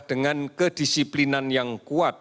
dengan kedisiplinan yang kuat